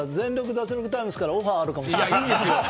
脱力タイムズ」からオファーあるかもしれない。